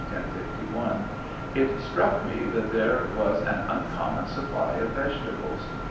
1051 :) It struck me that there was an uncommon supply of vegetables.